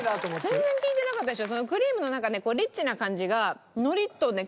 全然聞いてなかったでしょ。